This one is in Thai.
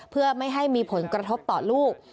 เพื่อไม่ให้มีผลกระทบต่อลูก